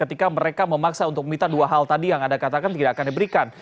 ketika mereka memaksa untuk meminta dua hal tadi yang anda katakan tidak akan diberikan